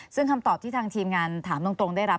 ซึ่งคำตอบที่ทางทีมงานถามตรงได้รับ